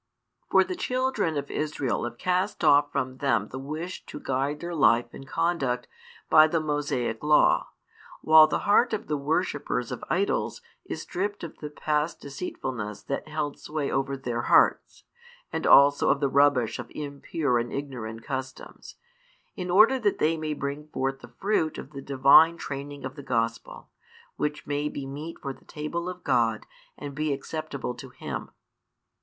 For the children of Israel have cast off from them the wish to guide their life and conduct by the Mosaic Law, while the heart of the worshippers of idols is stripped of the past deceitfulness that held sway over their hearts, and also of the rubbish of impure and ignorant customs, in order that they may bring forth the fruit of the divine training of the Gospel, which may be meet for the table of God, and be acceptable to Him.